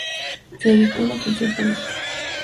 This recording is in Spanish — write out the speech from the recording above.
Se dedicó a la función pública.